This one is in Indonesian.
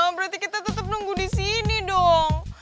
berarti kita tetep nunggu disini dong